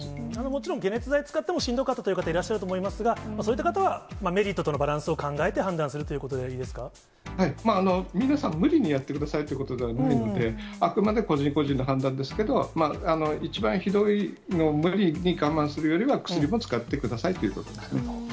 もちろん解熱剤使ってもしんどかったという方、いらっしゃると思いますが、そういった方はメリットとのバランスを考えて判断するということ皆さん、無理にやってくださいということではないので、あくまで個人個人の判断ですけれども、一番ひどいのを無理に我慢するよりは、薬も使ってくださいということですね。